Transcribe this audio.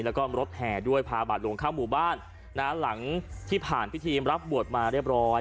แล้วก็รถแห่ด้วยพาบาทหลวงเข้าหมู่บ้านนะหลังที่ผ่านพิธีรับบวชมาเรียบร้อย